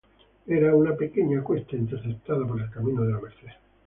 Era una pequeña cuesta interceptada por el camino de la Merced.